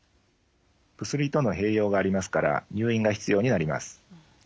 薬との併用がありますから入院が必要になります。